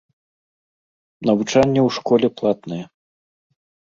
Навучанне ў школе платнае.